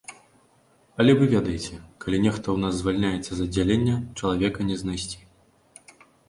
Але вы ведаеце, калі нехта ў нас звальняецца з аддзялення, чалавека не знайсці.